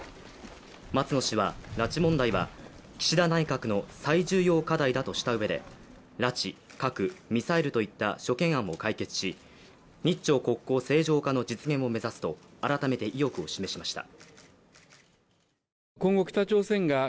松野氏は拉致問題は、岸田内閣の最重要課題だとしたうえで、拉致、核、ミサイルといった諸懸案を解決し日朝国交正常化の実現を目指すと改めて意欲を示しました。